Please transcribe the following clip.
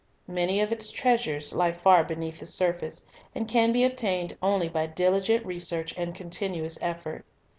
Many of its treasures lie far beneath the surface, and can be obtained only by dili gent research and continuous effort.